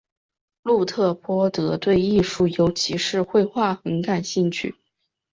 路特波德对艺术尤其是绘画很感兴趣。